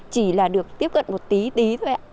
chỉ là được tiếp cận một tí thôi ạ